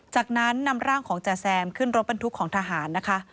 จากนั้นนำร่างของจ๋าแซมขึ้นรถบรรทุกของทหารนะคะ